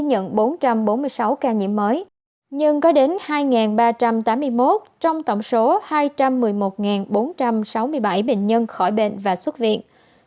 ghi nhận bốn trăm bốn mươi sáu ca nhiễm mới nhưng có đến hai ba trăm tám mươi một trong tổng số hai trăm một mươi một bốn trăm sáu mươi bảy bệnh nhân khỏi bệnh và xuất viện